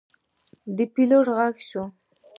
د پیلوټ غږ شو.